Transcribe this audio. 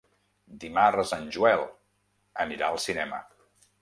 Dimarts en Joel anirà al cinema.